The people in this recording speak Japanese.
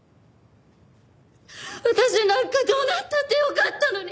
私なんかどうなったってよかったのに！